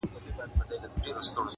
ددې ښايستې نړۍ بدرنگه خلگ _